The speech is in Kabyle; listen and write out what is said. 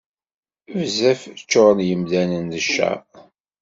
Bezzaf ččuṛen yemdanen d cceṛ.